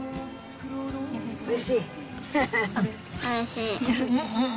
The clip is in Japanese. おいしい？